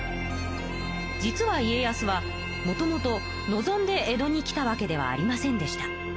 実は家康はもともと望んで江戸に来たわけではありませんでした。